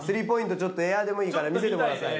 ちょっとエアでもいいから見せてくださいよ。